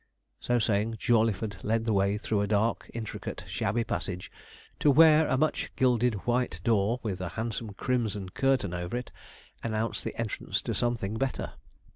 So saying, Jawleyford led the way through a dark, intricate, shabby passage, to where a much gilded white door, with a handsome crimson curtain over it announced the entrance to something better.